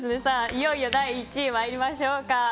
いよいよ第１位に参りましょうか。